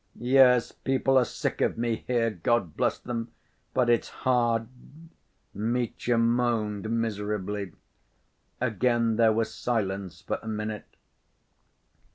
"Yes, people are sick of me here! God bless them, but it's hard," Mitya moaned miserably. Again there was silence for a minute.